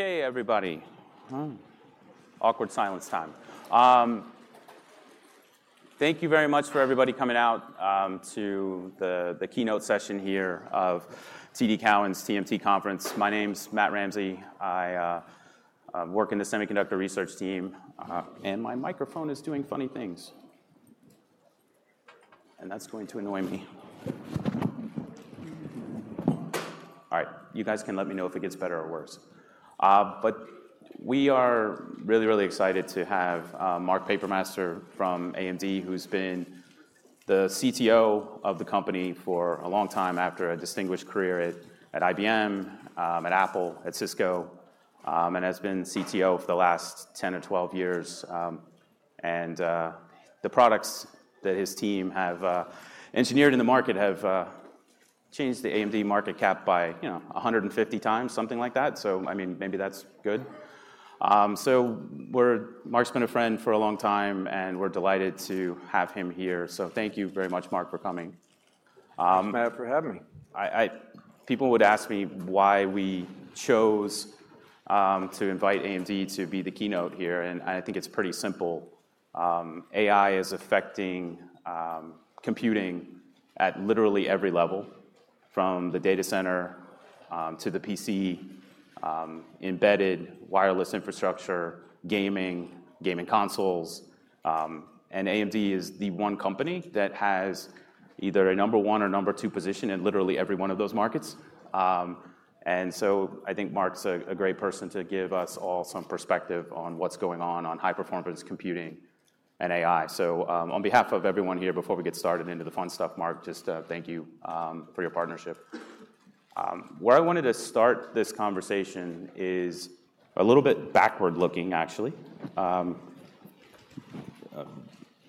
Okay, everybody. Awkward silence time. Thank you very much for everybody coming out to the keynote session here of TD Cowen's TMT Conference. My name's Matt Ramsay. I work in the semiconductor research team, and my microphone is doing funny things, and that's going to annoy me. All right. You guys can let me know if it gets better or worse. But we are really, really excited to have Mark Papermaster from AMD, who's been the CTO of the company for a long time after a distinguished career at IBM, at Apple, at Cisco, and has been CTO for the last 10 or 12 years. And the products that his team have engineered in the market have changed the AMD market cap by, you know, 150 times, something like that. So, I mean, maybe that's good. Mark's been a friend for a long time, and we're delighted to have him here. So thank you very much, Mark, for coming. Thanks, Matt, for having me. People would ask me why we chose to invite AMD to be the keynote here, and I think it's pretty simple. AI is affecting computing at literally every level, from the data center to the PC, embedded wireless infrastructure, gaming, gaming consoles. And AMD is the one company that has either a number one or number two position in literally every one of those markets. And so I think Mark's a great person to give us all some perspective on what's going on on high-performance computing and AI. So, on behalf of everyone here, before we get started into the fun stuff, Mark, just thank you for your partnership. Where I wanted to start this conversation is a little bit backward-looking, actually.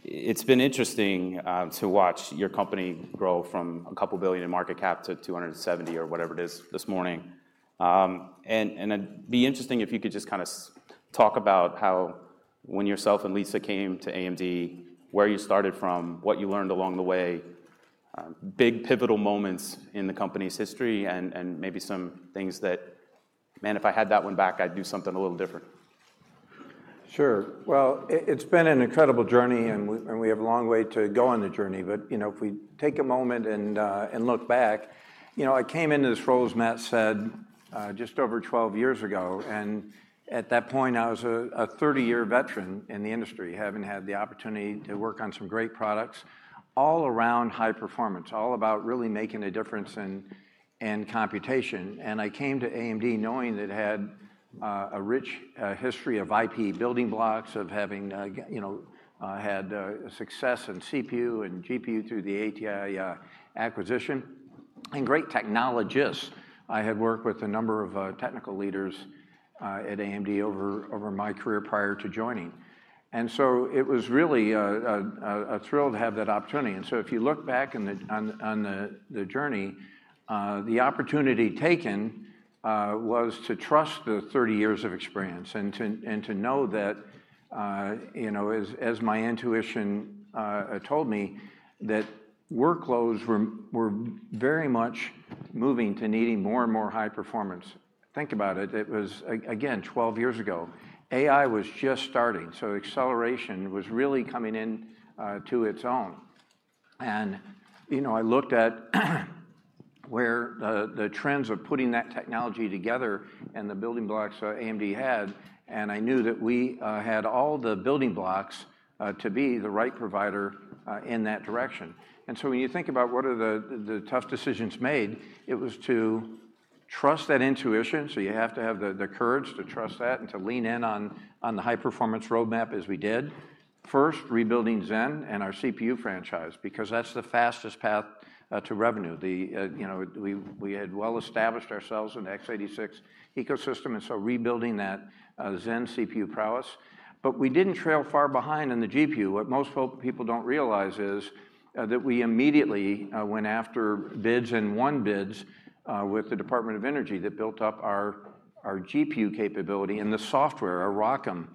It's been interesting to watch your company grow from $2 billion in market cap to $270 billion or whatever it is this morning. And it'd be interesting if you could just kinda talk about how when yourself and Lisa came to AMD, where you started from, what you learned along the way, big pivotal moments in the company's history, and maybe some things that, "Man, if I had that one back, I'd do something a little different. Sure. Well, it's been an incredible journey, and we, and we have a long way to go on the journey. But, you know, if we take a moment and look back, you know, I came into this role, as Matt said, just over 12 years ago, and at that point, I was a 30-year veteran in the industry, having had the opportunity to work on some great products all around high performance, all about really making a difference in computation. And I came to AMD knowing it had a rich history of IP building blocks, of having you know, had success in CPU and GPU through the ATI acquisition, and great technologists. I had worked with a number of technical leaders at AMD over my career prior to joining, and so it was really a thrill to have that opportunity. So if you look back on the journey, the opportunity taken was to trust the 30 years of experience and to know that, you know, as my intuition told me, that workloads were very much moving to needing more and more high performance. Think about it. It was, again, 12 years ago. AI was just starting, so acceleration was really coming in to its own. You know, I looked at where the trends of putting that technology together and the building blocks AMD had, and I knew that we had all the building blocks to be the right provider in that direction. So when you think about what are the tough decisions made, it was to trust that intuition, so you have to have the courage to trust that and to lean in on the high-performance roadmap as we did. First, rebuilding Zen and our CPU franchise because that's the fastest path to revenue. You know, we had well established ourselves in the x86 ecosystem, and so rebuilding that Zen CPU prowess. But we didn't trail far behind in the GPU. What most folk, people don't realize is, that we immediately went after bids and won bids with the Department of Energy that built up our GPU capability and the software, a ROCm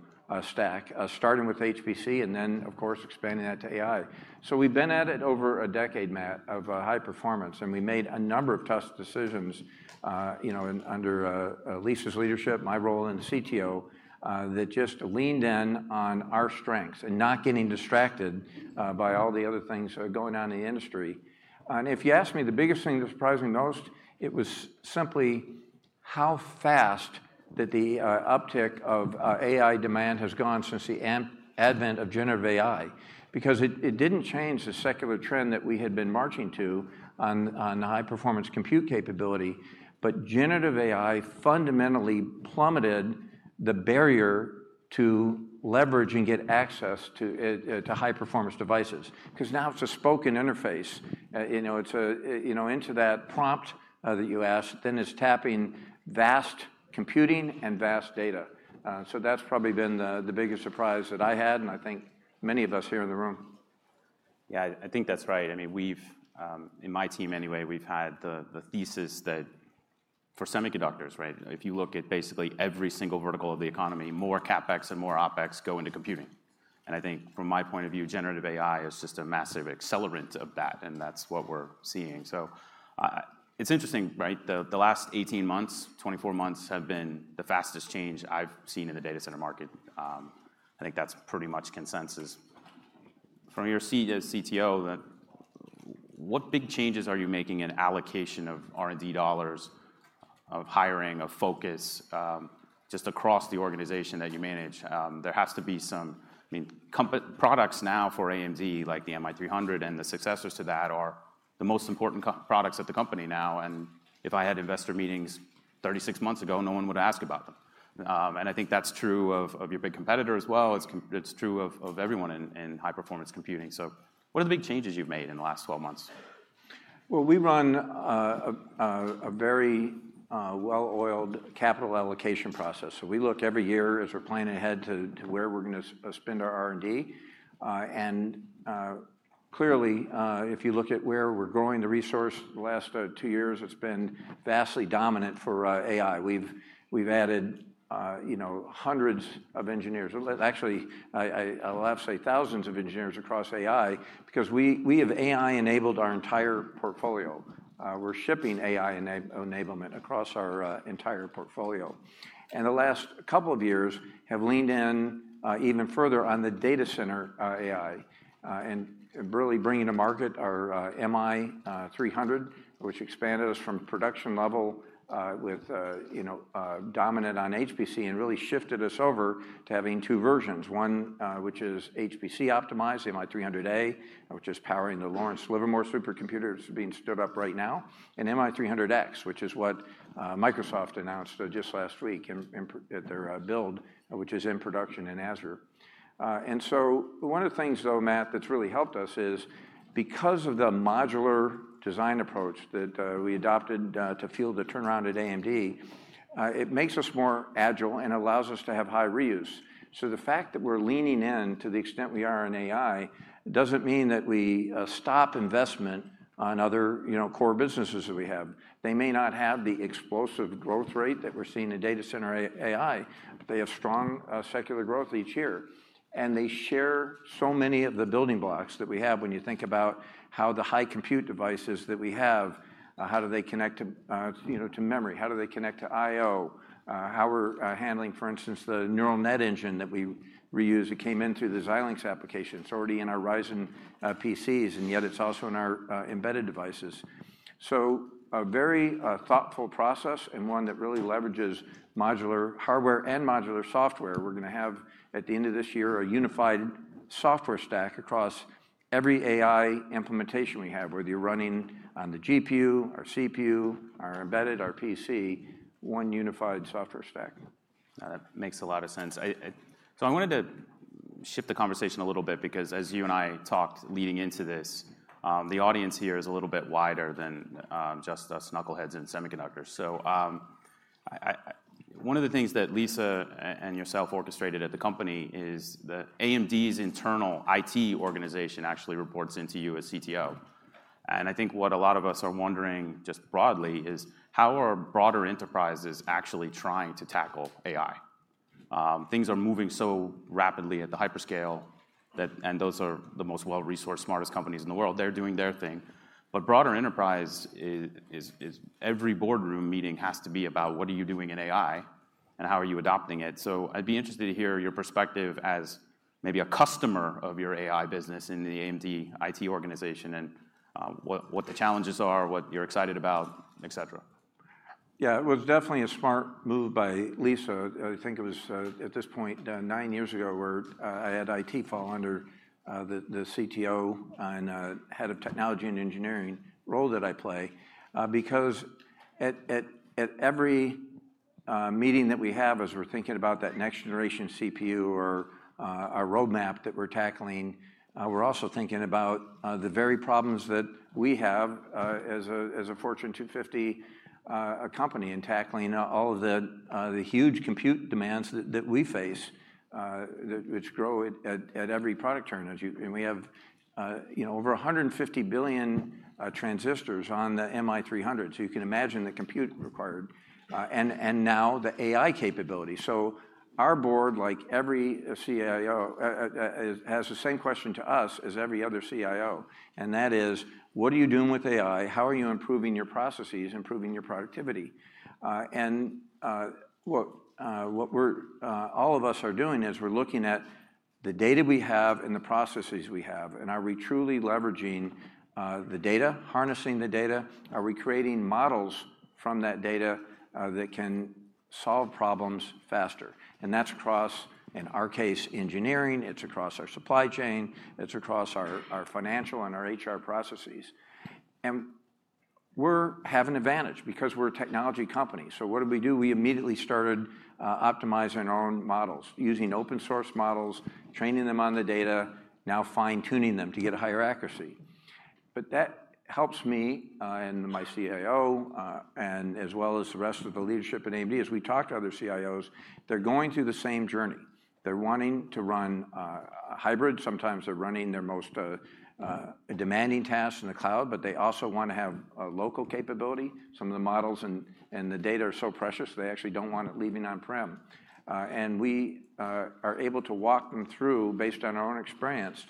stack, starting with HPC and then, of course, expanding that to AI. So we've been at it over a decade, Matt, of high performance, and we made a number of tough decisions, you know, under Lisa's leadership, my role as CTO, that just leaned in on our strengths and not getting distracted by all the other things going on in the industry. If you ask me, the biggest thing that surprised me most, it was simply how fast that the uptick of AI demand has gone since the advent of generative AI because it didn't change the secular trend that we had been marching to on high-performance compute capability. But generative AI fundamentally plummeted the barrier to leverage and get access to high-performance devices because now it's a spoken interface. You know, it's a you know, into that prompt that you ask, then it's tapping vast computing and vast data. So that's probably been the biggest surprise that I had, and I think many of us here in the room. Yeah, I think that's right. I mean, we've in my team anyway, we've had the thesis that for semiconductors, right, if you look at basically every single vertical of the economy, more CapEx and more OpEx go into computing. And I think from my point of view, generative AI is just a massive accelerant of that, and that's what we're seeing. So, it's interesting, right? The last 18 months, 24 months have been the fastest change I've seen in the data center market. I think that's pretty much consensus. From your seat as CTO, then, what big changes are you making in allocation of R&D dollars, of hiring, of focus, just across the organization that you manage? There has to be some—I mean, products now for AMD, like the MI300 and the successors to that, are the most important products at the company now, and if I had investor meetings 36 months ago, no one would ask about them. And I think that's true of your big competitor as well. It's true of everyone in high-performance computing. So what are the big changes you've made in the last 12 months? Well, we run a very well-oiled capital allocation process. So we look every year as we're planning ahead to where we're gonna spend our R&D. Clearly, if you look at where we're growing the resource, the last two years, it's been vastly dominant for AI. We've added, you know, hundreds of engineers. Well, actually, I'll have to say thousands of engineers across AI because we have AI-enabled our entire portfolio. We're shipping AI enablement across our entire portfolio. The last couple of years have leaned in even further on the data center, AI, and really bringing to market our MI300, which expanded us from production level with you know dominant on HPC and really shifted us over to having two versions. One, which is HPC-optimized, the MI300A, which is powering the Lawrence Livermore supercomputer that's being stood up right now, and MI300X, which is what Microsoft announced just last week at their Build, which is in production in Azure. One of the things, though, Matt, that's really helped us is because of the modular design approach that we adopted to fuel the turnaround at AMD. It makes us more agile and allows us to have high reuse. So the fact that we're leaning in to the extent we are in AI doesn't mean that we stop investment on other, you know, core businesses that we have. They may not have the explosive growth rate that we're seeing in data center AI, but they have strong secular growth each year, and they share so many of the building blocks that we have when you think about how the high compute devices that we have, how do they connect to, you know, to memory? How do they connect to I/O? How we're handling, for instance, the neural net engine that we reuse that came in through the Xilinx application. It's already in our Ryzen PCs, and yet it's also in our embedded devices. So a very thoughtful process and one that really leverages modular hardware and modular software. We're gonna have, at the end of this year, a unified software stack across every AI implementation we have, whether you're running on the GPU, our CPU, our embedded, our PC, one unified software stack. That makes a lot of sense. So I wanted to shift the conversation a little bit because as you and I talked leading into this, the audience here is a little bit wider than just us knuckleheads in semiconductors. So, one of the things that Lisa and yourself orchestrated at the company is the AMD's internal IT organization actually reports into you as CTO. And I think what a lot of us are wondering, just broadly, is how are broader enterprises actually trying to tackle AI? Things are moving so rapidly at the hyperscale that, and those are the most well-resourced, smartest companies in the world. They're doing their thing. But broader enterprise is every boardroom meeting has to be about what are you doing in AI, and how are you adopting it? I'd be interested to hear your perspective as maybe a customer of your AI business in the AMD IT organization and what the challenges are, what you're excited about, et cetera. Yeah, it was definitely a smart move by Lisa. I think it was, at this point, nine years ago, where I had IT fall under the CTO and head of technology and engineering role that I play. Because at every meeting that we have, as we're thinking about that next generation CPU or our roadmap that we're tackling, we're also thinking about the very problems that we have as a Fortune 250 company in tackling all of the huge compute demands that we face, that which grow at every product turn, as you... We have, you know, over 150 billion transistors on the MI300, so you can imagine the compute required, and now the AI capability. So our board, like every CIO, has the same question to us as every other CIO, and that is: What are you doing with AI? How are you improving your processes, improving your productivity? Well, what we're all of us are doing is we're looking at the data we have and the processes we have, and are we truly leveraging the data, harnessing the data? Are we creating models from that data that can solve problems faster? And that's across, in our case, engineering. It's across our supply chain. It's across our financial and our HR processes. And we're have an advantage because we're a technology company. So what did we do? We immediately started, optimizing our own models, using open source models, training them on the data, now fine-tuning them to get higher accuracy. But that helps me, and my CIO, and as well as the rest of the leadership at AMD. As we talk to other CIOs, they're going through the same journey. They're wanting to run hybrid. Sometimes they're running their most demanding tasks in the cloud, but they also wanna have a local capability. Some of the models and the data are so precious, they actually don't want it leaving on-prem. And we are able to walk them through, based on our own experience,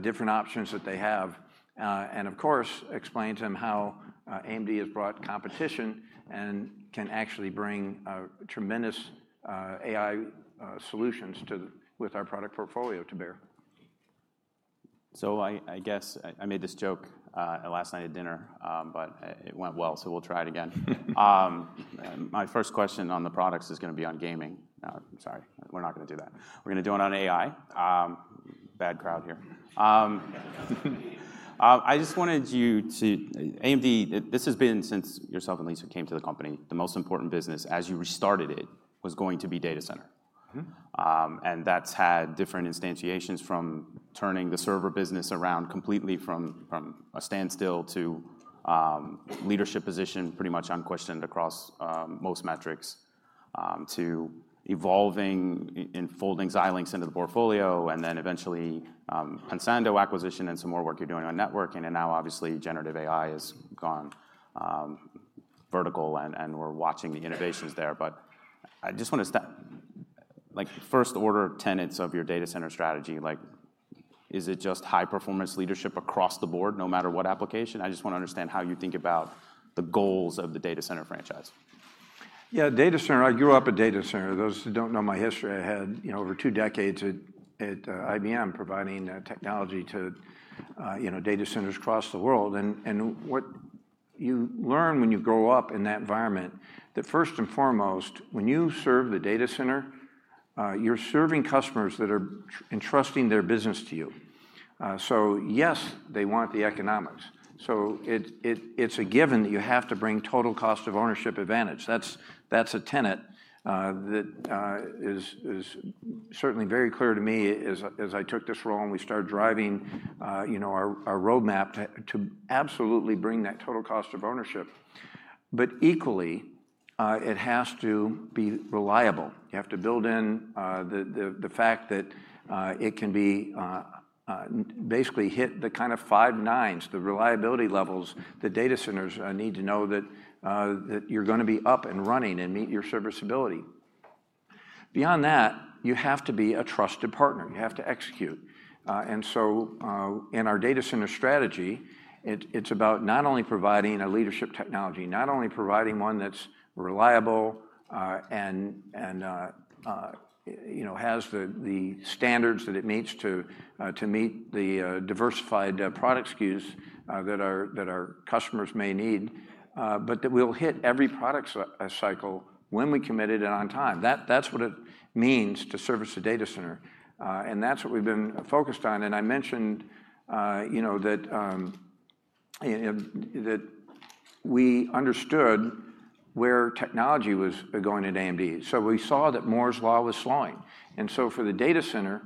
different options that they have, and of course, explain to them how-... AMD has brought competition and can actually bring tremendous AI solutions with our product portfolio to bear. So I guess I made this joke last night at dinner, but it went well, so we'll try it again. My first question on the products is gonna be on gaming. I'm sorry, we're not gonna do that. We're gonna do it on AI. Bad crowd here. I just wanted you to... AMD, this has been since yourself and Lisa came to the company, the most important business as you restarted it, was going to be data center. Mm-hmm. And that's had different instantiations from turning the server business around completely from a standstill to leadership position, pretty much unquestioned across most metrics. To evolving and folding Xilinx into the portfolio, and then eventually, Pensando acquisition and some more work you're doing on networking, and now obviously, generative AI has gone vertical and we're watching the innovations there. But I just want to like, first order tenets of your data center strategy, like, is it just high performance leadership across the board, no matter what application? I just want to understand how you think about the goals of the data center franchise. Yeah, data center. I grew up at data center. Those who don't know my history, I had, you know, over 2 decades at IBM, providing technology to, you know, data centers across the world. What you learn when you grow up in that environment, that first and foremost, when you serve the data center, you're serving customers that are entrusting their business to you. So yes, they want the economics. So it's a given that you have to bring total cost of ownership advantage. That's a tenet that is certainly very clear to me as I took this role and we started driving, you know, our roadmap to absolutely bring that total cost of ownership. But equally, it has to be reliable. You have to build in the fact that it can basically hit the kind of 5 nines, the reliability levels. The data centers need to know that you're gonna be up and running and meet your serviceability. Beyond that, you have to be a trusted partner, you have to execute. And so, in our data center strategy, it's about not only providing a leadership technology, not only providing one that's reliable, and you know, has the standards that it meets to meet the diversified product SKUs that our customers may need, but that we'll hit every product cycle when we committed and on time. That's what it means to service a data center, and that's what we've been focused on. I mentioned, you know, that we understood where technology was going at AMD. So we saw that Moore's Law was slowing, and so for the data center,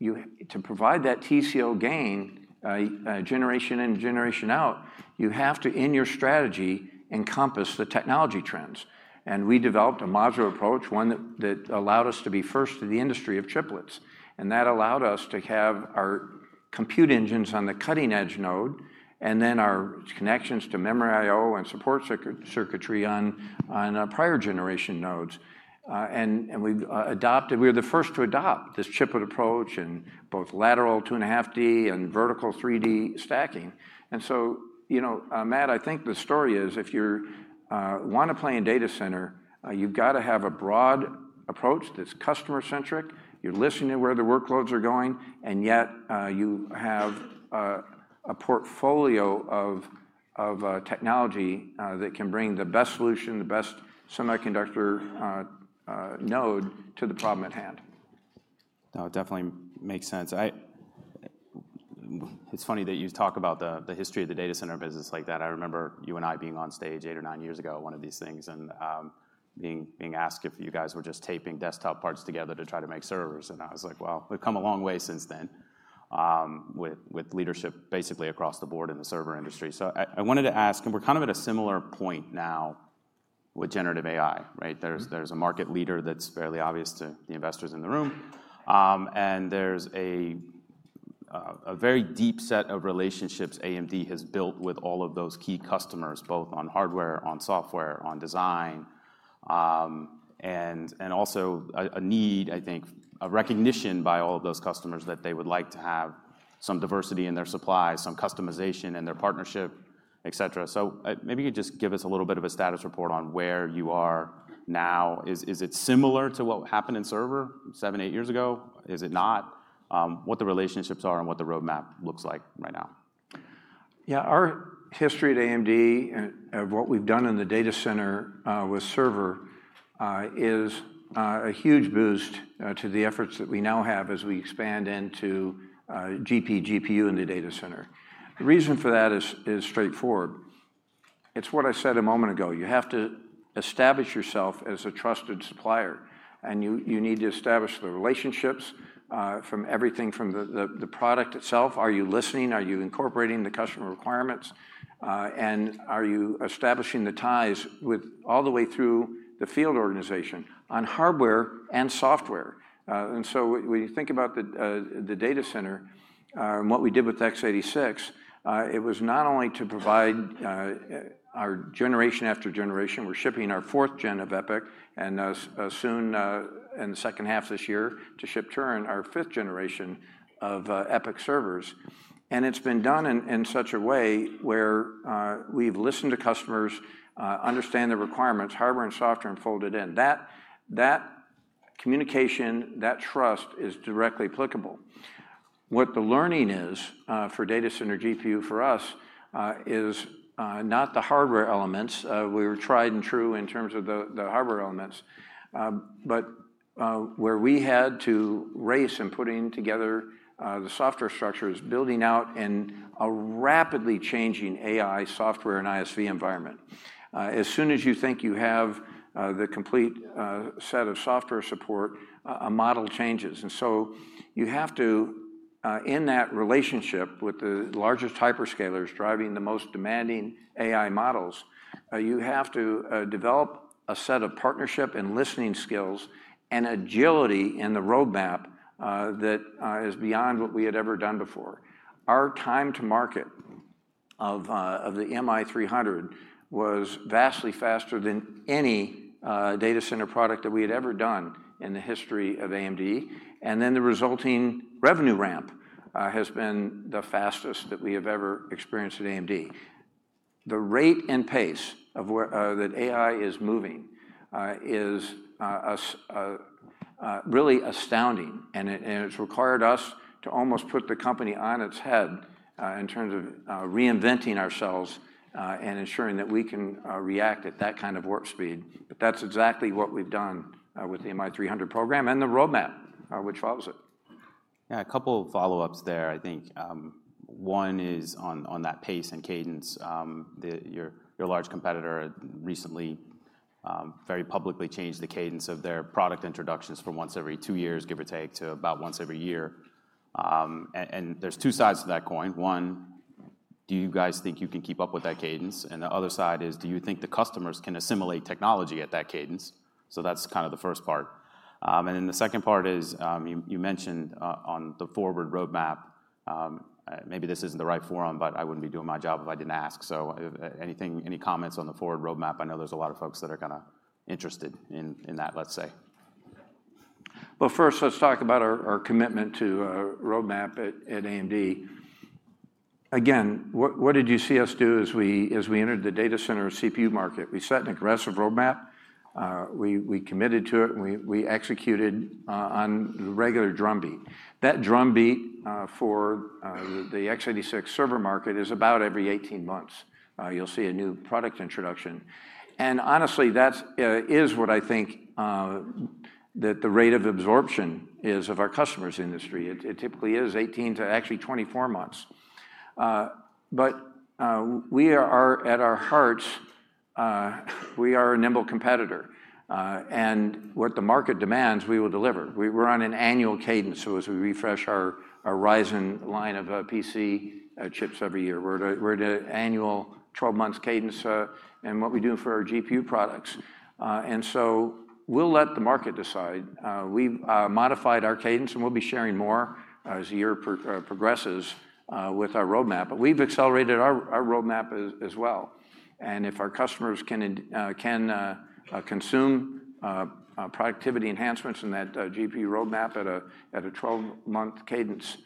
to provide that TCO gain, generation in, generation out, you have to, in your strategy, encompass the technology trends. We developed a modular approach, one that allowed us to be first in the industry of chiplets. And that allowed us to have our compute engines on the cutting-edge node, and then our connections to memory I/O and support circuitry on our prior generation nodes. We were the first to adopt this chiplet approach in both lateral 2.5D and vertical 3D stacking. And so, you know, Matt, I think the story is, if you're want to play in data center, you've got to have a broad approach that's customer centric. You're listening to where the workloads are going, and yet, you have a portfolio of technology that can bring the best solution, the best semiconductor node to the problem at hand. No, it definitely makes sense. It's funny that you talk about the history of the data center business like that. I remember you and I being on stage eight or nine years ago at one of these things, and being asked if you guys were just taping desktop parts together to try to make servers. And I was like: Well, we've come a long way since then, with leadership basically across the board in the server industry. So I wanted to ask, and we're kind of at a similar point now with generative AI, right? Mm-hmm. There's a market leader that's fairly obvious to the investors in the room. And there's a very deep set of relationships AMD has built with all of those key customers, both on hardware, on software, on design. And also a need, I think, a recognition by all of those customers that they would like to have some diversity in their supplies, some customization in their partnership, et cetera. So, maybe you could just give us a little bit of a status report on where you are now. Is it similar to what happened in server 7-8 years ago? Is it not? What the relationships are and what the roadmap looks like right now. Yeah, our history at AMD and what we've done in the data center with server is a huge boost to the efforts that we now have as we expand into GPU in the data center. The reason for that is straightforward. It's what I said a moment ago. You have to establish yourself as a trusted supplier, and you need to establish the relationships from everything from the product itself. Are you listening? Are you incorporating the customer requirements? And are you establishing the ties all the way through the field organization on hardware and software? And so when you think about the data center and what we did with x86, it was not only to provide our generation after generation. We're shipping our fourth-gen EPYC, and soon, in the second half of this year, to ship Turin, our fifth-generation EPYC servers.... and it's been done in such a way where we've listened to customers, understand the requirements, hardware and software, and folded in. That communication, that trust, is directly applicable. What the learning is for data center GPU for us is not the hardware elements. We were tried and true in terms of the hardware elements. But where we had to race in putting together the software structure is building out in a rapidly changing AI software and ISV environment. As soon as you think you have the complete set of software support, a model changes. And so you have to, in that relationship with the largest hyperscalers driving the most demanding AI models, you have to, develop a set of partnership and listening skills and agility in the roadmap, that, is beyond what we had ever done before. Our time to market of, of the MI300 was vastly faster than any, data center product that we had ever done in the history of AMD, and then the resulting revenue ramp, has been the fastest that we have ever experienced at AMD. The rate and pace of where, that AI is moving, is, really astounding, and it, and it's required us to almost put the company on its head, in terms of, reinventing ourselves, and ensuring that we can, react at that kind of warp speed. But that's exactly what we've done with the MI300 program and the roadmap, which follows it. Yeah, a couple of follow-ups there. I think one is on that pace and cadence. Your large competitor recently very publicly changed the cadence of their product introductions from once every two years, give or take, to about once every year. And there's two sides to that coin. One, do you guys think you can keep up with that cadence? And the other side is, do you think the customers can assimilate technology at that cadence? So that's kind of the first part. And then the second part is, you mentioned on the forward roadmap, maybe this isn't the right forum, but I wouldn't be doing my job if I didn't ask. So anything, any comments on the forward roadmap? I know there's a lot of folks that are kinda interested in that, let's say. Well, first, let's talk about our commitment to roadmap at AMD. Again, what did you see us do as we entered the data center CPU market? We set an aggressive roadmap, we committed to it, and we executed on regular drumbeat. That drumbeat for the x86 server market is about every 18 months. You'll see a new product introduction. And honestly, that's is what I think that the rate of absorption is of our customers' industry. It typically is 18 to actually 24 months. But we are, at our hearts, we are a nimble competitor, and what the market demands, we will deliver. We're on an annual cadence, so as we refresh our Ryzen line of PC chips every year. We're at an annual 12-month cadence, and what we do for our GPU products. So we'll let the market decide. We've modified our cadence, and we'll be sharing more as the year progresses with our roadmap. But we've accelerated our roadmap as well. And if our customers can consume productivity enhancements in that GPU roadmap at a 12-month cadence,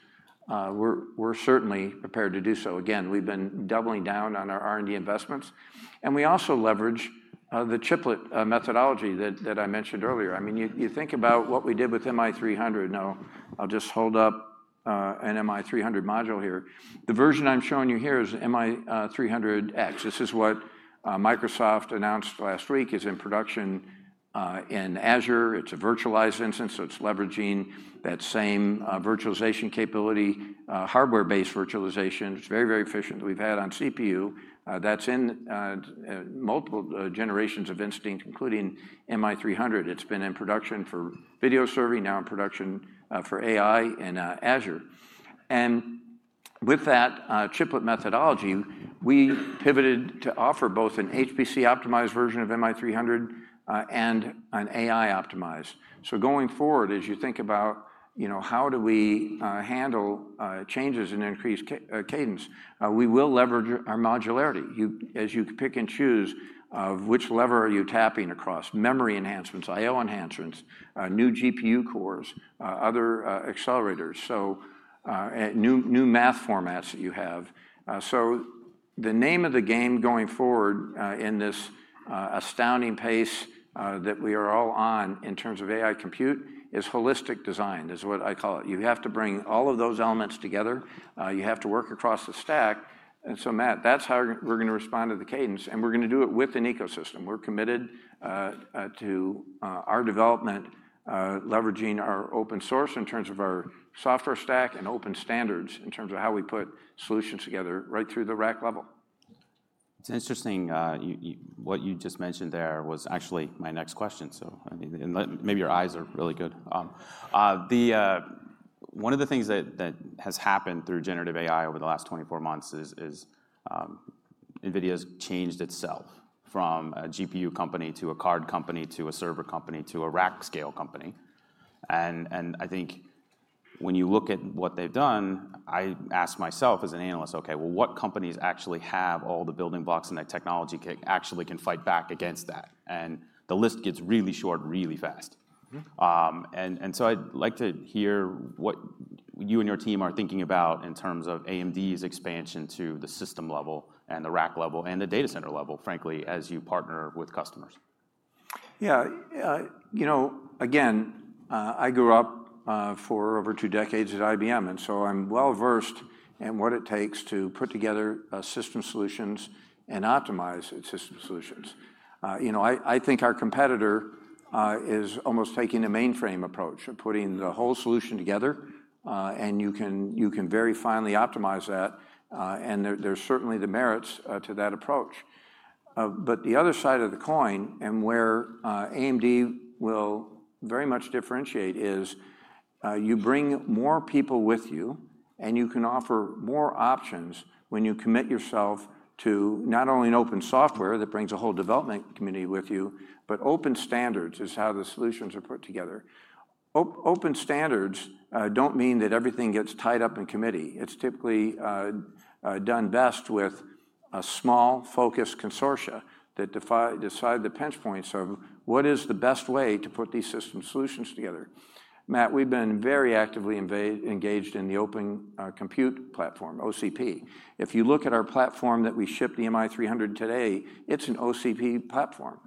we're certainly prepared to do so. Again, we've been doubling down on our R&D investments, and we also leverage the chiplet methodology that I mentioned earlier. I mean, you think about what we did with MI300. Now, I'll just hold up an MI300 module here. The version I'm showing you here is MI300X. This is what Microsoft announced last week, is in production in Azure. It's a virtualized instance, so it's leveraging that same virtualization capability, hardware-based virtualization. It's very, very efficient. We've had on CPU that's in multiple generations of Instinct, including MI300. It's been in production for video serving, now in production for AI and Azure. And with that chiplet methodology, we pivoted to offer both an HPC-optimized version of MI300 and an AI-optimized. So going forward, as you think about, you know, how do we handle changes in increased cadence, we will leverage our modularity. You, as you pick and choose which lever are you tapping across? Memory enhancements, I/O enhancements, new GPU cores, other accelerators, so and new math formats that you have. So the name of the game going forward, in this astounding pace that we are all on in terms of AI compute, is holistic design, is what I call it. You have to bring all of those elements together. You have to work across the stack. And so, Matt, that's how we're going to respond to the cadence, and we're going to do it with an ecosystem. We're committed to our development, leveraging our open source in terms of our software stack and open standards in terms of how we put solutions together right through the rack level. It's interesting, what you just mentioned there was actually my next question, so, I mean, and maybe your eyes are really good. One of the things that has happened through generative AI over the last 24 months is NVIDIA's changed itself from a GPU company to a card company, to a server company, to a rack-scale company. And I think when you look at what they've done, I ask myself as an analyst: Okay, well, what companies actually have all the building blocks, and the technology actually can fight back against that? And the list gets really short, really fast. Mm-hmm. So I'd like to hear what you and your team are thinking about in terms of AMD's expansion to the system level and the rack level, and the data center level, frankly, as you partner with customers? Yeah, you know, again, I grew up for over two decades at IBM, and so I'm well-versed in what it takes to put together system solutions and optimize system solutions. You know, I think our competitor is almost taking a mainframe approach of putting the whole solution together, and you can very finely optimize that, and there's certainly the merits to that approach. But the other side of the coin, and where AMD will very much differentiate is, you bring more people with you, and you can offer more options when you commit yourself to not only an open software that brings a whole development community with you, but open standards is how the solutions are put together. Open standards don't mean that everything gets tied up in committee. It's typically done best with a small, focused consortia that decide the pinch points of what is the best way to put these system solutions together. Matt, we've been very actively engaged in the Open Compute Platform, OCP. If you look at our platform that we ship the MI300 today, it's an OCP platform.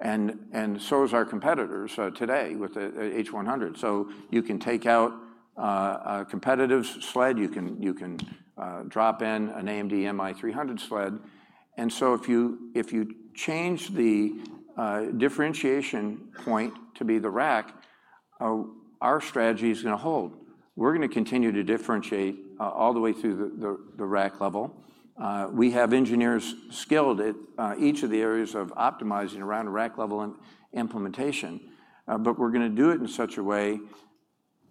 And so is our competitors today with the H100. So you can take out a competitive sled, you can drop in an AMD MI300 sled. And so if you change the differentiation point to be the rack, our strategy is gonna hold. We're gonna continue to differentiate all the way through the rack level. We have engineers skilled at each of the areas of optimizing around a rack level implementation, but we're gonna do it in such a way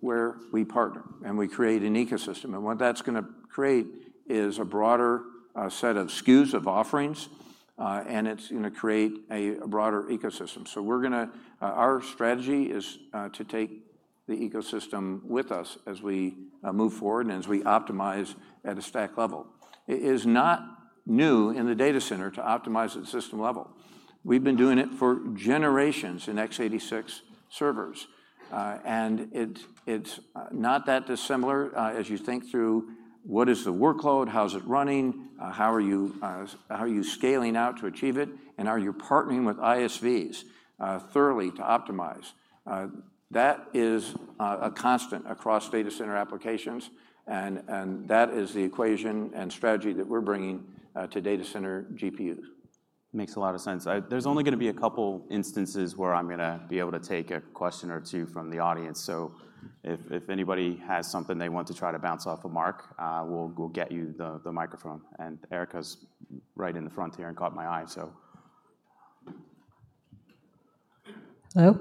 where we partner and we create an ecosystem. And what that's gonna create is a broader set of SKUs of offerings, and it's gonna create a broader ecosystem. So we're gonna. Our strategy is to take the ecosystem with us as we move forward and as we optimize at a stack level. It is not new in the data center to optimize at the system level. We've been doing it for generations in x86 servers. And it, it's not that dissimilar as you think through: what is the workload? How is it running? How are you scaling out to achieve it? Are you partnering with ISVs thoroughly to optimize? That is a constant across data center applications, and that is the equation and strategy that we're bringing to data center GPUs. Makes a lot of sense. There's only gonna be a couple instances where I'm gonna be able to take a question or two from the audience. So if anybody has something they want to try to bounce off of Mark, we'll get you the microphone, and Erica's right in the front here and caught my eye, so. Hello?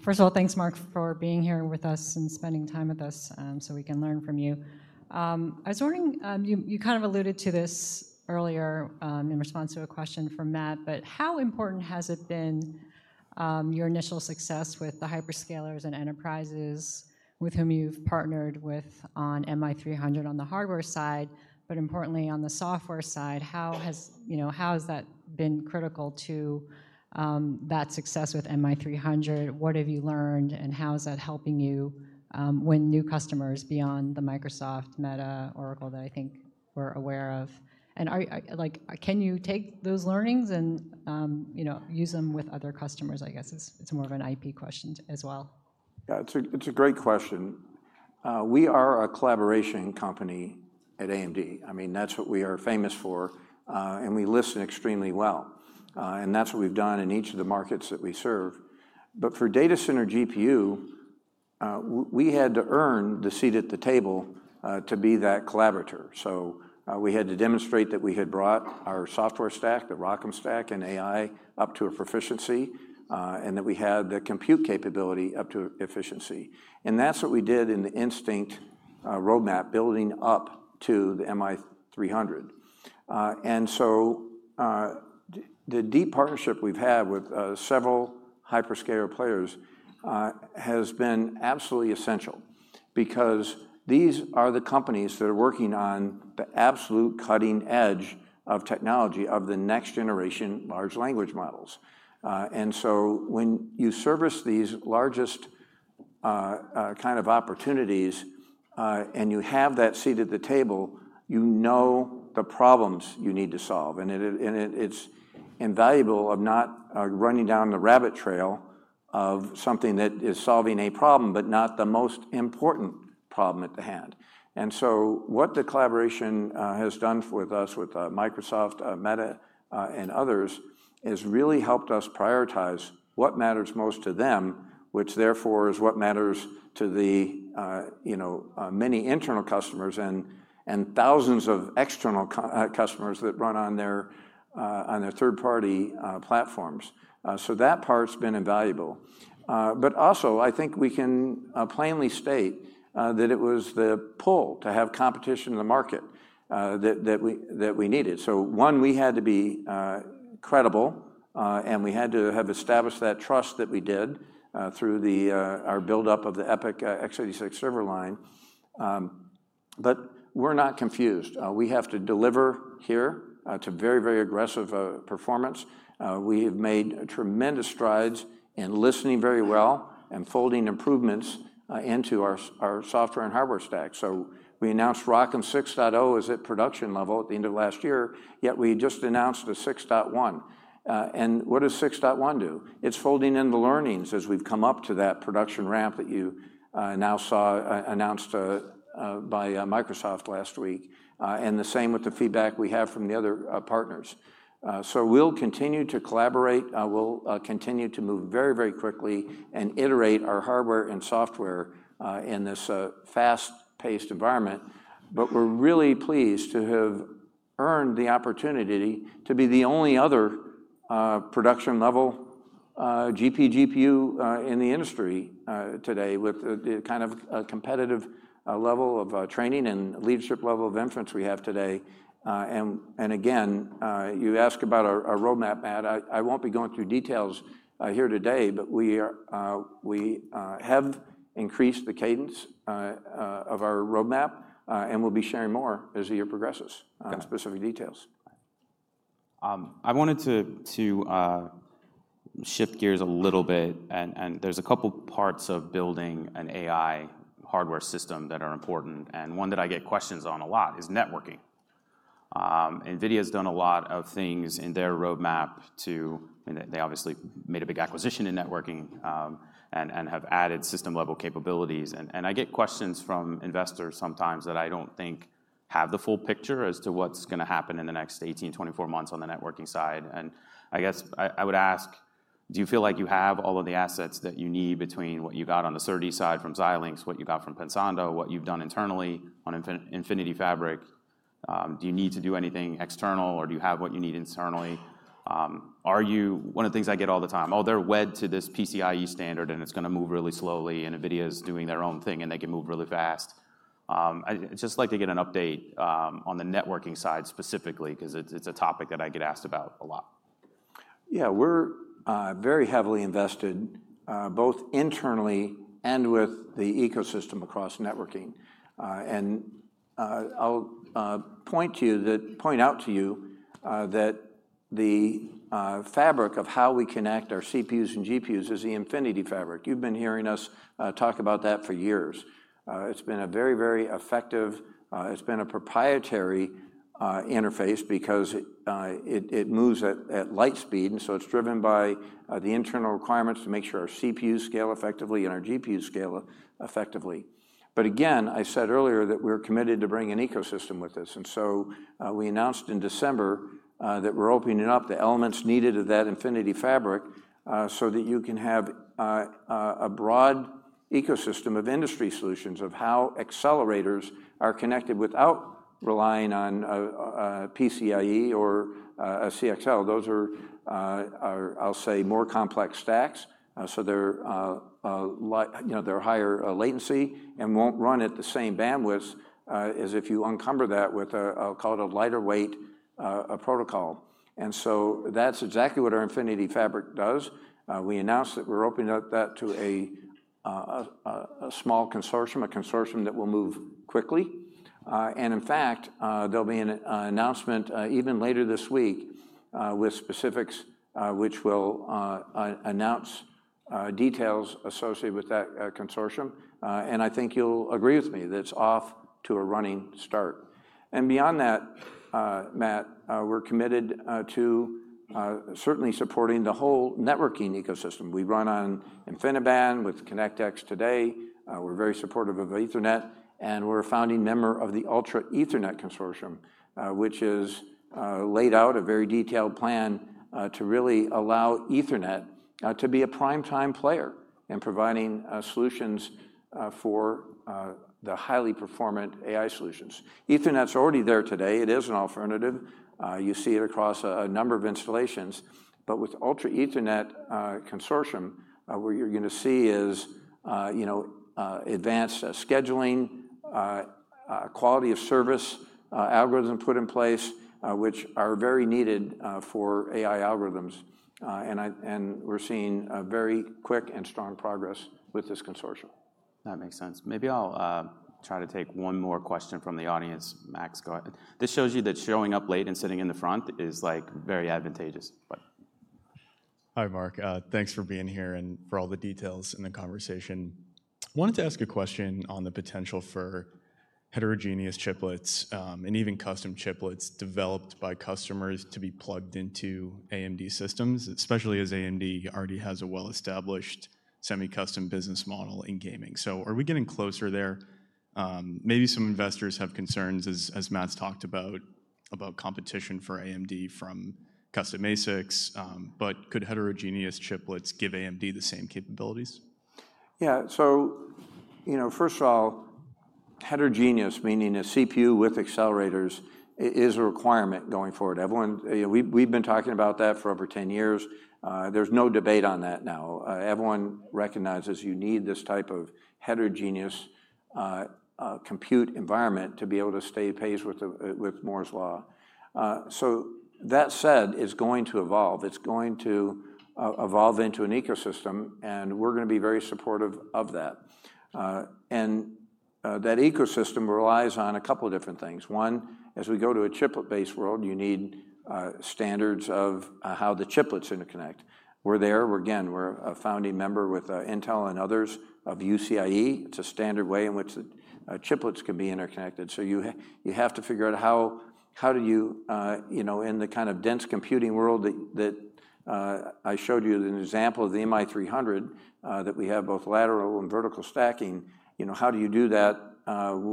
First of all, thanks, Mark, for being here with us and spending time with us, so we can learn from you. I was wondering, you kind of alluded to this earlier, in response to a question from Matt, but how important has it been, your initial success with the hyperscalers and enterprises with whom you've partnered with on MI300 on the hardware side, but importantly, on the software side, how has, you know, how has that been critical to, that success with MI300? What have you learned, and how is that helping you, win new customers beyond the Microsoft, Meta, Oracle that I think we're aware of? And are, like, can you take those learnings and, you know, use them with other customers, I guess, is more of an IP question as well? Yeah, it's a great question. We are a collaboration company at AMD. I mean, that's what we are famous for, and we listen extremely well, and that's what we've done in each of the markets that we serve. But for data center GPU, we had to earn the seat at the table, to be that collaborator. So, we had to demonstrate that we had brought our software stack, the ROCm stack and AI, up to a proficiency, and that we had the compute capability up to efficiency. And that's what we did in the Instinct roadmap, building up to the MI300. And so, the deep partnership we've had with several hyperscaler players has been absolutely essential because these are the companies that are working on the absolute cutting edge of technology of the next generation large language models. And so when you service these largest kind of opportunities and you have that seat at the table, you know the problems you need to solve. And it, and it, it's invaluable of not running down the rabbit trail of something that is solving a problem, but not the most important problem at hand. And so what the collaboration has done for us with Microsoft, Meta, and others has really helped us prioritize what matters most to them, which therefore is what matters to the, you know, many internal customers and thousands of external customers that run on their, on their third-party platforms. So that part's been invaluable. But also, I think we can plainly state that it was the pull to have competition in the market that we needed. So one, we had to be credible, and we had to have established that trust that we did through our build-up of the EPYC x86 server line. But we're not confused. We have to deliver here. It's a very, very aggressive performance. We have made tremendous strides in listening very well and folding improvements into our software and hardware stack. So we announced ROCm 6.0 is at production level at the end of last year, yet we just announced the 6.1. And what does 6.1 do? It's folding in the learnings as we've come up to that production ramp that you now saw announced by Microsoft last week, and the same with the feedback we have from the other partners. So we'll continue to collaborate, we'll continue to move very, very quickly and iterate our hardware and software in this fast-paced environment. But we're really pleased to have earned the opportunity to be the only other production level GPGPU in the industry today, with the kind of competitive level of training and leadership level of inference we have today. And again, you ask about our roadmap, Matt. I won't be going through details here today, but we have increased the cadence of our roadmap, and we'll be sharing more as the year progresses, specific details. I wanted to shift gears a little bit, and there's a couple parts of building an AI hardware system that are important, and one that I get questions on a lot is networking. NVIDIA's done a lot of things in their roadmap to... And they obviously made a big acquisition in networking, and have added system-level capabilities. And I get questions from investors sometimes that I don't think have the full picture as to what's gonna happen in the next 18-24 months on the networking side. And I guess I would ask: Do you feel like you have all of the assets that you need between what you got on the SerDes side from Xilinx, what you got from Pensando, what you've done internally on Infinity Fabric? Do you need to do anything external, or do you have what you need internally? One of the things I get all the time, "Oh, they're wed to this PCIe standard, and it's gonna move really slowly, and NVIDIA is doing their own thing, and they can move really fast." I'd just like to get an update on the networking side specifically, 'cause it's a topic that I get asked about a lot. Yeah, we're very heavily invested both internally and with the ecosystem across networking. And I'll point out to you that the fabric of how we connect our CPUs and GPUs is the Infinity Fabric. You've been hearing us talk about that for years. It's been a very, very effective... It's been a proprietary interface because it moves at light speed, and so it's driven by the internal requirements to make sure our CPUs scale effectively and our GPUs scale effectively. But again, I said earlier that we're committed to bring an ecosystem with this. We announced in December that we're opening up the elements needed of that Infinity Fabric so that you can have a broad ecosystem of industry solutions of how accelerators are connected without relying on PCIe or CXL. Those are, I'll say, more complex stacks, so they're, you know, higher latency and won't run at the same bandwidth as if you unencumber that with a, I'll call it a lighter weight protocol. That's exactly what our Infinity Fabric does. We announced that we're opening up that to a small consortium, a consortium that will move quickly. In fact, there'll be an announcement even later this week with specifics, which will announce details associated with that consortium. I think you'll agree with me that it's off to a running start. And beyond that, Matt, we're committed to certainly supporting the whole networking ecosystem. We run on InfiniBand with ConnectX today. We're very supportive of Ethernet, and we're a founding member of the Ultra Ethernet Consortium, which has laid out a very detailed plan to really allow Ethernet to be a prime-time player in providing solutions for the highly performant AI solutions. Ethernet's already there today. It is an alternative. You see it across a number of installations. But with Ultra Ethernet Consortium, what you're gonna see is, you know, advanced scheduling, quality of service algorithm put in place, which are very needed for AI algorithms. And we're seeing a very quick and strong progress with this consortium. That makes sense. Maybe I'll try to take one more question from the audience. Max, go ahead. This shows you that showing up late and sitting in the front is, like, very advantageous, but- Hi, Mark. Thanks for being here and for all the details in the conversation. I wanted to ask a question on the potential for heterogeneous chiplets, and even custom chiplets developed by customers to be plugged into AMD systems, especially as AMD already has a well-established semi-custom business model in gaming. So are we getting closer there? Maybe some investors have concerns as, as Matt's talked about, about competition for AMD from custom ASICs, but could heterogeneous chiplets give AMD the same capabilities? Yeah. So, you know, first of all, heterogeneous, meaning a CPU with accelerators, is a requirement going forward. Everyone, we've been talking about that for over 10 years. There's no debate on that now. Everyone recognizes you need this type of heterogeneous compute environment to be able to stay apace with Moore's Law. So that said, it's going to evolve. It's going to evolve into an ecosystem, and we're gonna be very supportive of that. That ecosystem relies on a couple of different things. One, as we go to a chiplet-based world, you need standards of how the chiplets interconnect. We're there, we're again, we're a founding member with Intel and others of UCIe. It's a standard way in which the chiplets can be interconnected. So you have to figure out how, how do you, you know, in the kind of dense computing world that I showed you an example of the MI300, that we have both lateral and vertical stacking, you know, how do you do that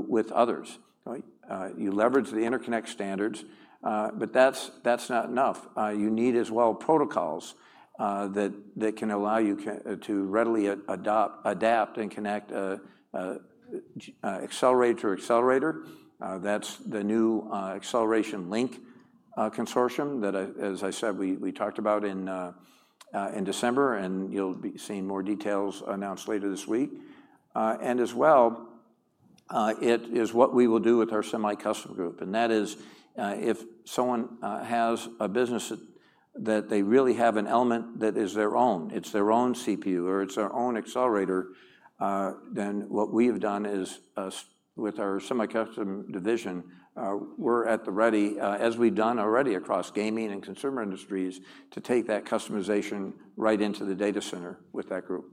with others, right? You leverage the interconnect standards, but that's not enough. You need as well protocols that can allow you to readily adapt and connect accelerator to accelerator. That's the new Accelerator Link consortium that, as I said, we talked about in December, and you'll be seeing more details announced later this week. As well, it is what we will do with our semi-custom group, and that is, if someone has a business that, that they really have an element that is their own, it's their own CPU, or it's their own accelerator, then what we have done is, with our semi-custom division, we're at the ready, as we've done already across gaming and consumer industries, to take that customization right into the data center with that group.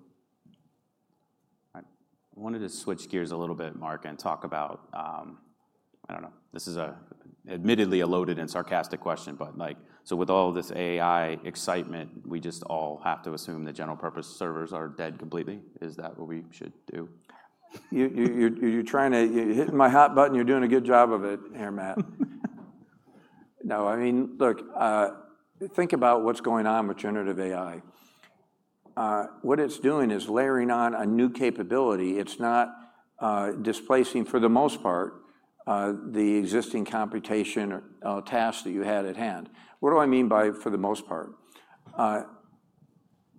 I wanted to switch gears a little bit, Mark, and talk about, I don't know. This is admittedly a loaded and sarcastic question, but, like, so with all this AI excitement, we just all have to assume that general purpose servers are dead completely? Is that what we should do? You're trying to, you're hitting my hot button, you're doing a good job of it here, Matt. No, I mean, look, think about what's going on with generative AI. What it's doing is layering on a new capability. It's not, displacing, for the most part, the existing computation or tasks that you had at hand. What do I mean by, for the most part?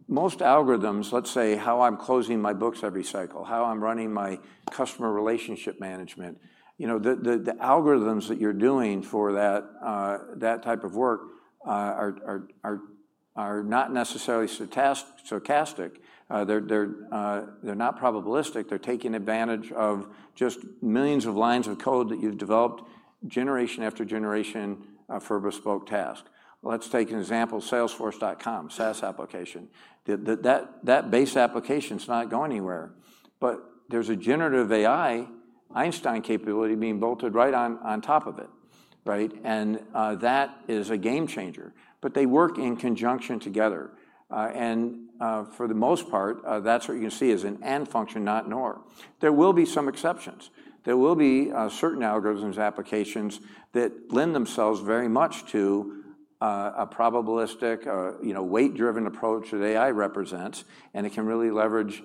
Most algorithms, let's say, how I'm closing my books every cycle, how I'm running my customer relationship management, you know, the algorithms that you're doing for that type of work, are not necessarily stochastic. They're not probabilistic. They're taking advantage of just millions of lines of code that you've developed generation after generation, for a bespoke task. Let's take an example, Salesforce.com, SaaS application. The base application's not going anywhere, but there's a generative AI Einstein capability being bolted right on top of it, right? And that is a game changer. But they work in conjunction together. And for the most part, that's what you're gonna see as an AND function, not NOR. There will be some exceptions. There will be certain algorithms, applications that lend themselves very much to a probabilistic, you know, weight-driven approach that AI represents, and it can really leverage,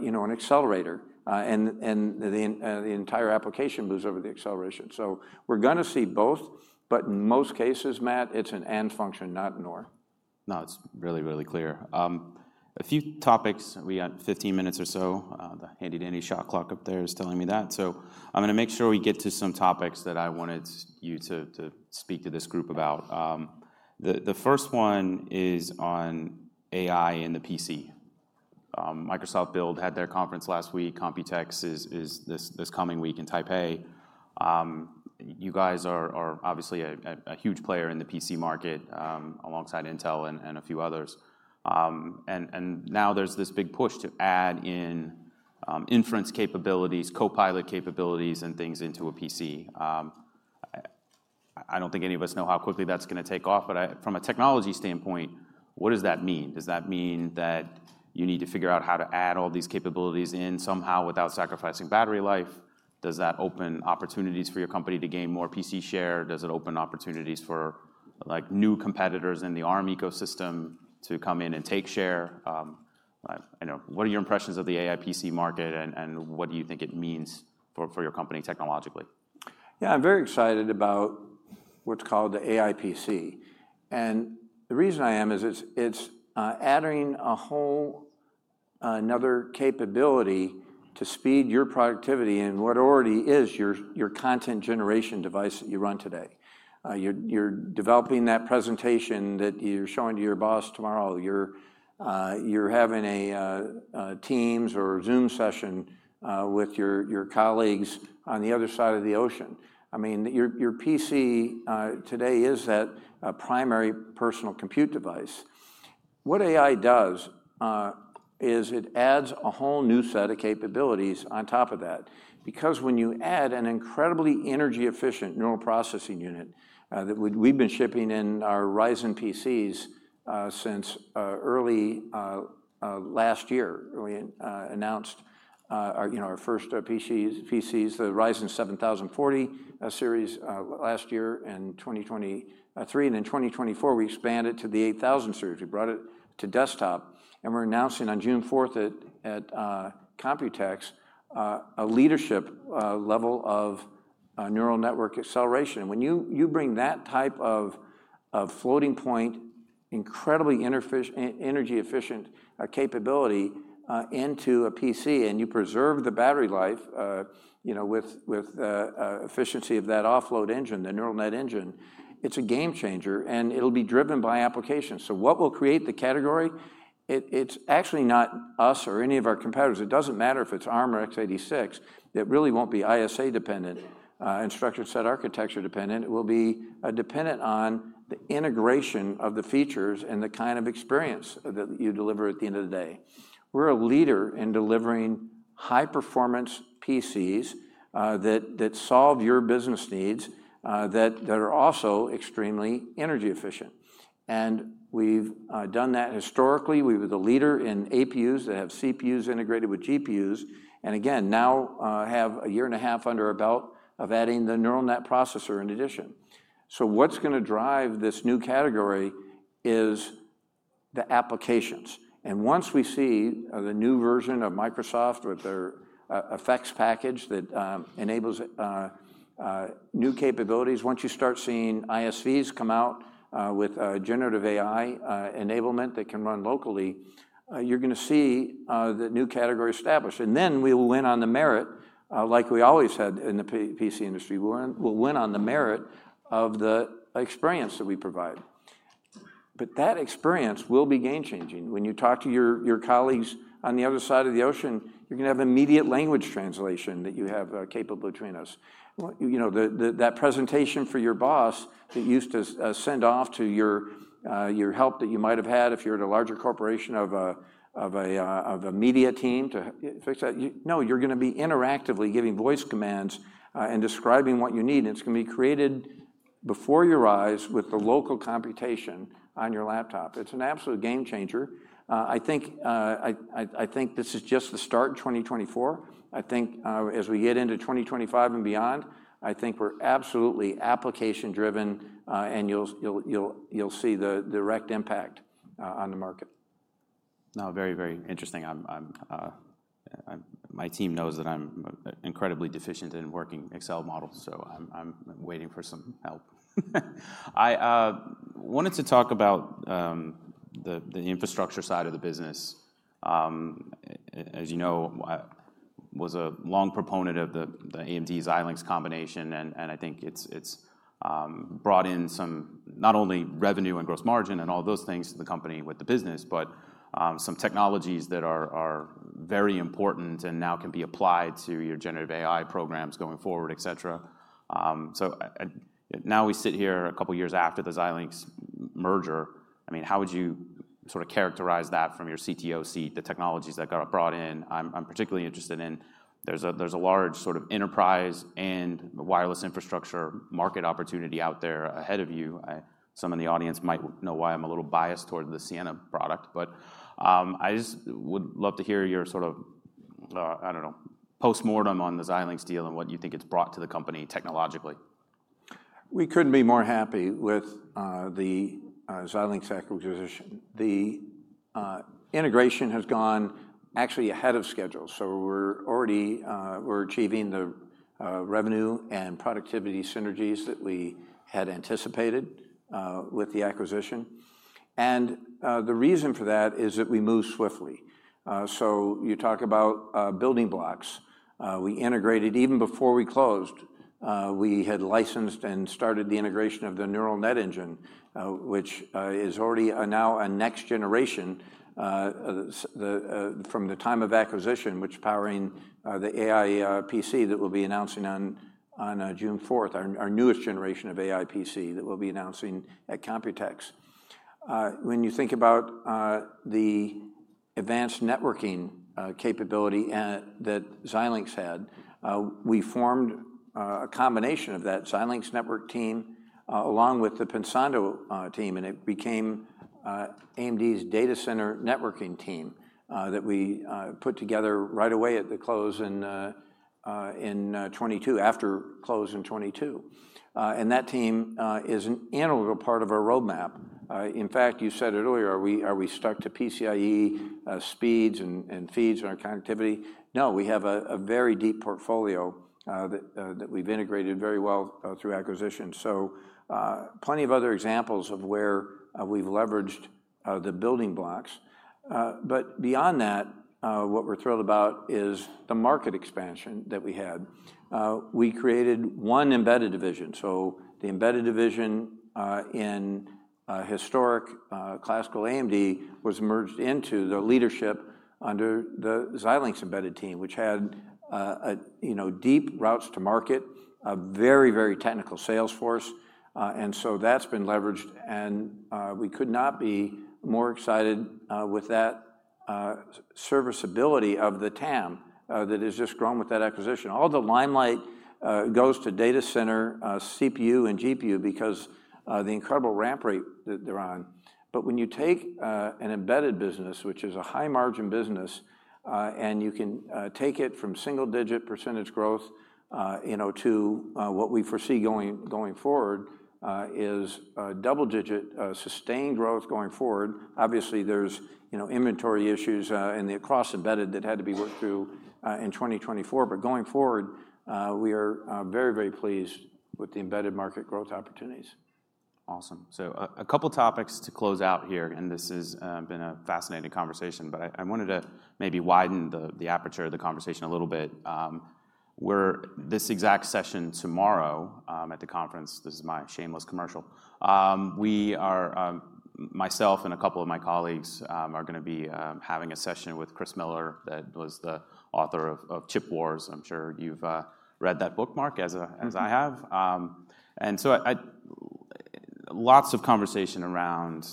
you know, an accelerator. And the entire application moves over the acceleration. So we're gonna see both, but in most cases, Matt, it's an AND function, not NOR. No, it's really, really clear. A few topics, we got 15 minutes or so, the handy dandy shot clock up there is telling me that. So I'm gonna make sure we get to some topics that I wanted you to, to speak to this group about. The first one is on AI and the PC. Microsoft Build had their conference last week. Computex is this coming week in Taipei. You guys are obviously a huge player in the PC market, alongside Intel and a few others. And now there's this big push to add in inference capabilities, Copilot capabilities, and things into a PC. I don't think any of us know how quickly that's gonna take off, but from a technology standpoint, what does that mean? Does that mean that you need to figure out how to add all these capabilities in somehow without sacrificing battery life? Does that open opportunities for your company to gain more PC share? Does it open opportunities for, like, new competitors in the ARM ecosystem to come in and take share? You know, what are your impressions of the AI PC market, and what do you think it means for your company technologically? Yeah, I'm very excited about what's called the AI PC, and the reason I am is it's adding a whole another capability to speed your productivity in what already is your content generation device that you run today. You're developing that presentation that you're showing to your boss tomorrow. You're having a Teams or a Zoom session with your colleagues on the other side of the ocean. I mean, your PC today is that primary personal compute device. What AI does is it adds a whole new set of capabilities on top of that, because when you add an incredibly energy-efficient neural processing unit that we've been shipping in our Ryzen PCs since early last year, we announced our, you know, our first PCs, the Ryzen 7040 series last year in 2023. And in 2024, we expanded to the 8000 series. We brought it to desktop, and we're announcing on June fourth at Computex a leadership level of neural network acceleration. When you bring that type of-... of floating point, incredibly energy efficient capability into a PC, and you preserve the battery life, you know, with efficiency of that offload engine, the neural net engine, it's a game changer, and it'll be driven by applications. So what will create the category? It's actually not us or any of our competitors. It doesn't matter if it's ARM or x86, it really won't be ISA dependent, instruction set architecture dependent. It will be dependent on the integration of the features and the kind of experience that you deliver at the end of the day. We're a leader in delivering high performance PCs that solve your business needs that are also extremely energy efficient. And we've done that historically. We were the leader in APUs that have CPUs integrated with GPUs, and again, now, have a year and a half under our belt of adding the neural net processor in addition. So what's gonna drive this new category is the applications, and once we see the new version of Microsoft with their effects package that enables new capabilities. Once you start seeing ISVs come out with generative AI enablement that can run locally, you're gonna see the new category established, and then we will win on the merit like we always had in the PC industry. We'll win, we'll win on the merit of the experience that we provide. But that experience will be game changing. When you talk to your colleagues on the other side of the ocean, you're gonna have immediate language translation that you have capable between us. Well, you know, that presentation for your boss that you used to send off to your help that you might have had if you're at a larger corporation or a media team to fix that. No, you're gonna be interactively giving voice commands and describing what you need, and it's gonna be created before your eyes with the local computation on your laptop. It's an absolute game changer. I think this is just the start in 2024. I think, as we get into 2025 and beyond, I think we're absolutely application driven, and you'll see the direct impact on the market. Now, very, very interesting. My team knows that I'm incredibly deficient in working Excel models, so I'm waiting for some help. I wanted to talk about the infrastructure side of the business. As you know, I was a long proponent of the AMD's Xilinx combination, and I think it's brought in some not only revenue and gross margin and all those things to the company with the business, but some technologies that are very important and now can be applied to your generative AI programs going forward, et cetera. Now, we sit here a couple of years after the Xilinx merger. I mean, how would you sort of characterize that from your CTO seat, the technologies that got brought in? I'm particularly interested. There's a large sort of enterprise and wireless infrastructure market opportunity out there ahead of you. Some in the audience might know why I'm a little biased toward the Siena product, but I just would love to hear your sort of, I don't know, postmortem on the Xilinx deal and what you think it's brought to the company technologically. We couldn't be more happy with the Xilinx acquisition. The integration has gone actually ahead of schedule, so we're already, we're achieving the revenue and productivity synergies that we had anticipated with the acquisition. And the reason for that is that we moved swiftly. So you talk about building blocks. We integrated even before we closed, we had licensed and started the integration of the neural net engine, which is already now a next generation, the from the time of acquisition, which powering the AI PC that we'll be announcing on June fourth. Our newest generation of AI PC that we'll be announcing at Computex. When you think about the advanced networking capability that Xilinx had, we formed a combination of that Xilinx network team along with the Pensando team, and it became AMD's data center networking team that we put together right away at the close in 2022, after close in 2022. That team is an integral part of our roadmap. In fact, you said it earlier, are we stuck to PCIe speeds and feeds on our connectivity? No, we have a very deep portfolio that we've integrated very well through acquisition. So, plenty of other examples of where we've leveraged the building blocks. But beyond that, what we're thrilled about is the market expansion that we had. We created one embedded division, so the embedded division in historic classical AMD was merged into the leadership under the Xilinx embedded team, which had a you know deep roots to market, a very very technical sales force, and so that's been leveraged, and we could not be more excited with that serviceability of the TAM that has just grown with that acquisition. All the limelight goes to data center CPU and GPU because the incredible ramp rate that they're on. But when you take an embedded business, which is a high-margin business, and you can take it from single-digit percentage growth you know to what we foresee going forward is double-digit sustained growth going forward. Obviously, there's, you know, inventory issues, and across embedded that had to be worked through, in 2024. But going forward, we are very, very pleased with the embedded market growth opportunities. ... Awesome. So, a couple topics to close out here, and this has been a fascinating conversation. But I wanted to maybe widen the aperture of the conversation a little bit. This exact session tomorrow at the conference, this is my shameless commercial, we are, myself and a couple of my colleagues, are gonna be having a session with Chris Miller, that was the author of Chip War. I'm sure you've read that book, Mark, as Mm-hmm... as I have. And so lots of conversation around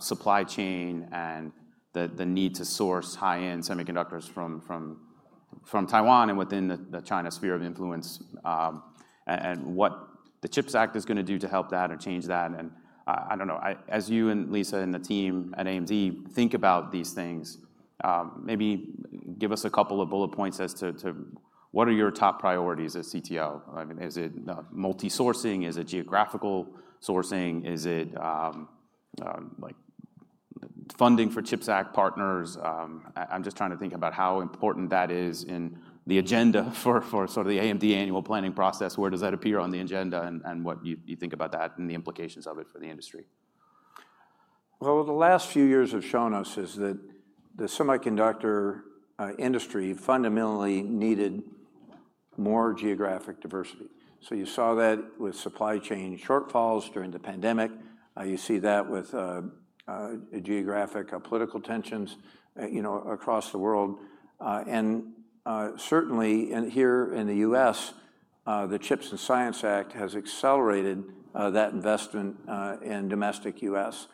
supply chain and the need to source high-end semiconductors from Taiwan and within the China sphere of influence. And what the CHIPS Act is gonna do to help that or change that, and I don't know. As you and Lisa, and the team at AMD think about these things, maybe give us a couple of bullet points as to what are your top priorities as CTO? I mean, is it multi-sourcing? Is it geographical sourcing? Is it like funding for CHIPS Act partners? I'm just trying to think about how important that is in the agenda for sort of the AMD annual planning process. Where does that appear on the agenda, and what you think about that and the implications of it for the industry? Well, the last few years have shown us is that the semiconductor industry fundamentally needed more geographic diversity. So you saw that with supply chain shortfalls during the pandemic. You see that with geographic political tensions, you know, across the world. And certainly here in the U.S., the CHIPS and Science Act has accelerated that investment in domestic U.S.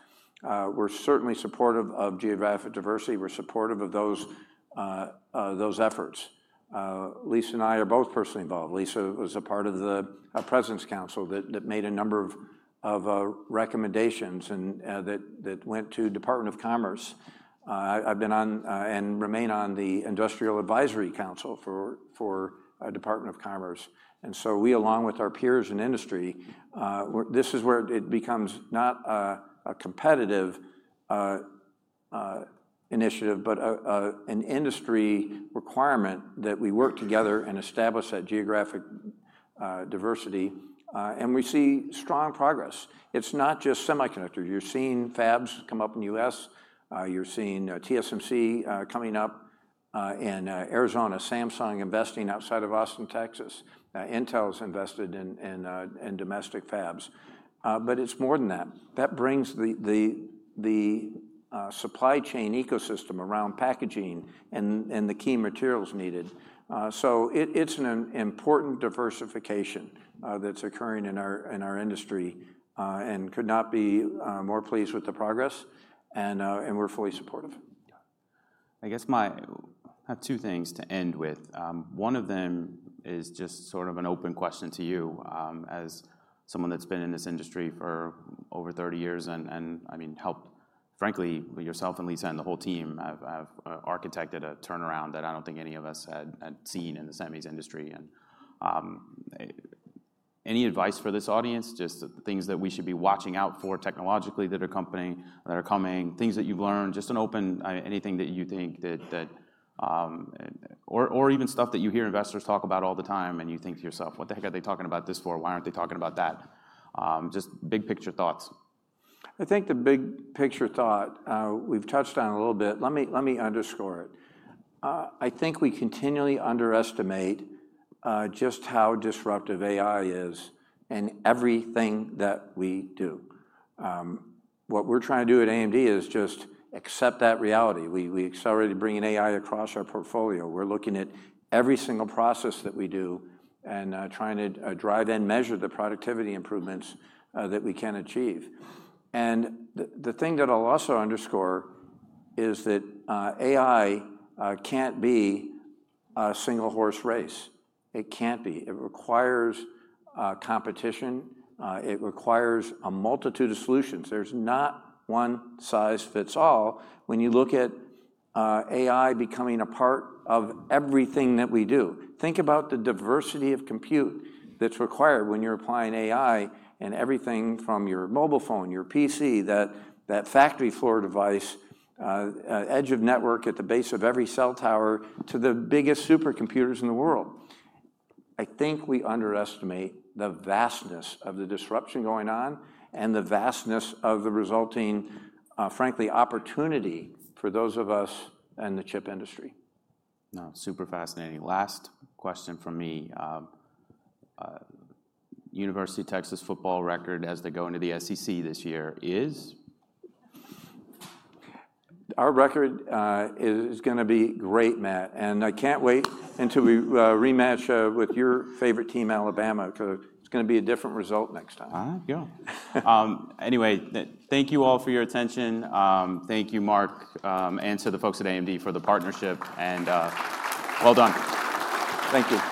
We're certainly supportive of geographic diversity. We're supportive of those efforts. Lisa and I are both personally involved. Lisa was a part of the President's Council that made a number of recommendations, and that went to Department of Commerce. I've been on, and remain on the Industrial Advisory Council for Department of Commerce. And so we, along with our peers in industry, where this is where it becomes not a competitive initiative, but an industry requirement that we work together and establish that geographic diversity. And we see strong progress. It's not just semiconductors. You're seeing fabs come up in the U.S. You're seeing TSMC coming up in Arizona, Samsung investing outside of Austin, Texas. Intel's invested in domestic fabs. But it's more than that. That brings the supply chain ecosystem around packaging and the key materials needed. So it's an important diversification that's occurring in our industry, and could not be more pleased with the progress, and we're fully supportive. I guess my... I have two things to end with. One of them is just sort of an open question to you, as someone that's been in this industry for over 30 years, and, I mean, helped, frankly, yourself and Lisa and the whole team have architected a turnaround that I don't think any of us had seen in the semis industry. And, any advice for this audience, just things that we should be watching out for technologically that are coming, things that you've learned, just an open, anything that you think that... Or, even stuff that you hear investors talk about all the time, and you think to yourself: "What the heck are they talking about this for? Why aren't they talking about that?" Just big picture thoughts. I think the big picture thought, we've touched on a little bit. Let me, let me underscore it. I think we continually underestimate, just how disruptive AI is in everything that we do. What we're trying to do at AMD is just accept that reality. We, we accelerated bringing AI across our portfolio. We're looking at every single process that we do and, trying to, drive and measure the productivity improvements, that we can achieve. And the, the thing that I'll also underscore is that, AI, can't be a single horse race. It can't be. It requires, competition. It requires a multitude of solutions. There's not one size fits all when you look at, AI becoming a part of everything that we do. Think about the diversity of compute that's required when you're applying AI in everything from your mobile phone, your PC, that factory floor device, edge of network at the base of every cell tower, to the biggest supercomputers in the world. I think we underestimate the vastness of the disruption going on and the vastness of the resulting, frankly, opportunity for those of us in the chip industry. No, super fascinating. Last question from me. University of Texas football record as they go into the SEC this year is? Our record is gonna be great, Matt, and I can't wait until we rematch with your favorite team, Alabama, because it's gonna be a different result next time. All right, cool. Anyway, thank you all for your attention. Thank you, Mark, and to the folks at AMD for the partnership, and well done. Thank you.